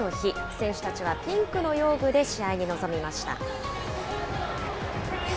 選手たちはピンクの用具で試合に臨みました。